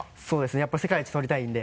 やっぱり世界一取りたいんで。